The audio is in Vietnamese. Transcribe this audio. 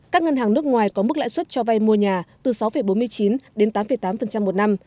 các ngân hàng nước ngoài có mức lãi suất cho vay mua nhà từ sáu bốn mươi chín đến tám tám một năm